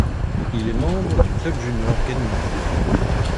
Il est membre du club Junior Ganymede.